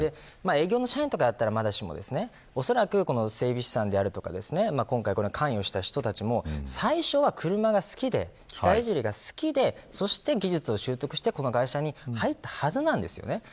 営業の社員とかだったらまだしもおそらく整備士さんであるとか今回関与した人たちも最初は、車が好きでそれぞれが好きで技術を習得して、この会社に入ったはずなんですよね。